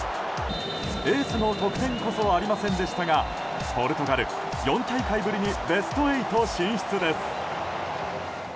エースの得点こそありませんでしたがポルトガル４大会ぶりにベスト８進出です。